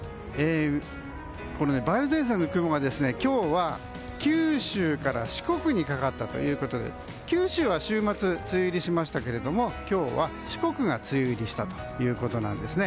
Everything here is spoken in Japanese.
梅雨前線の雲が今日は九州から四国にかかったということで九州は週末梅雨入りしましたが今日は四国が梅雨入りしたということなんです。